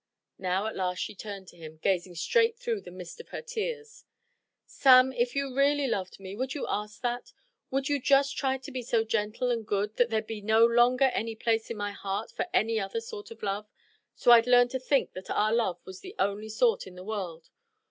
Now at last she turned to him, gazing straight through the mist of her tears. "Sam, if you really loved me, would you ask that? Wouldn't you just try to be so gentle and good that there'd no longer be any place in my heart for any other sort of love, so I'd learn to think that our love was the only sort in the world?